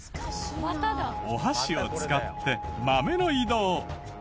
お箸を使って豆の移動。